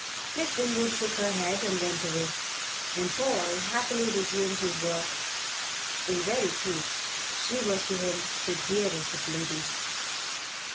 Miss Winwood shook her head and went away, and Paul happily resumed his work. In very truth she was to him the dearest of ladies.